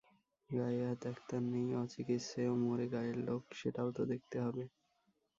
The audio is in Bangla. গায়ে আর ডাক্তার নেই, অচিকিচ্ছেয় মরে গায়ের লোক, সেটাও তো দেখতে হবে?